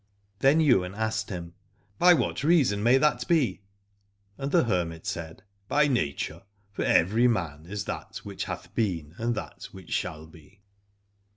Then Ywain asked him, By what reason may that be ? And the hermit said. By nature : for every man is that which hath been and that which shall be.